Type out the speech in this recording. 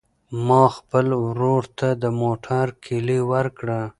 ما خپل ورور ته د موټر کیلي ورکړه.